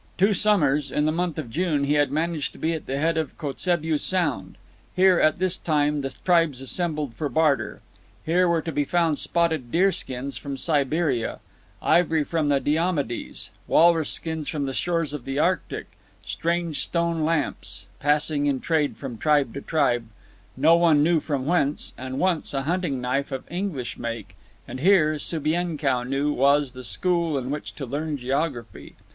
Two summers, in the month of June, he had managed to be at the head of Kotzebue Sound. Here, at this time, the tribes assembled for barter; here were to be found spotted deerskins from Siberia, ivory from the Diomedes, walrus skins from the shores of the Arctic, strange stone lamps, passing in trade from tribe to tribe, no one knew whence, and, once, a hunting knife of English make; and here, Subienkow knew, was the school in which to learn geography.